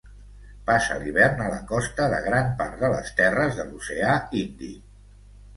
Passa l'hivern a la costa de gran part de les terres de l'Oceà Índic.